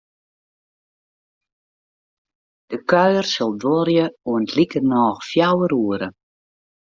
De kuier sil duorje oant likernôch fjouwer oere.